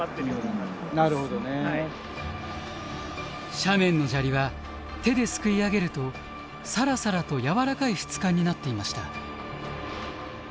斜面の砂利は手ですくい上げるとサラサラと軟らかい質感になっていました。